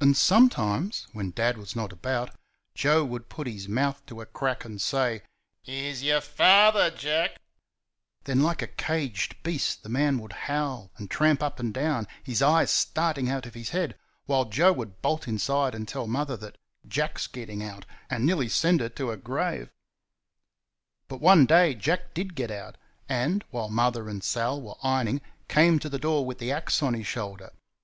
And sometimes when Dad was not about Joe would put his mouth to a crack and say: "Here's y'r FATHER, Jack!" Then, like a caged beast, the man would howl and tramp up and down, his eyes starting out of his head, while Joe would bolt inside and tell Mother that "Jack's getting out,", and nearly send her to her grave. But one day Jack DID get out, and, while Mother and Sal were ironing came to the door with the axe on his shoulder.